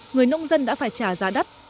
người nông dân đã phải trả giá đắt